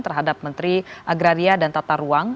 terhadap menteri agraria dan tata ruang